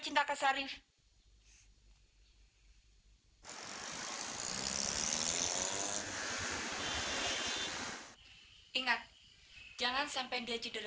cinta kasari ingat jangan sampai dia cedera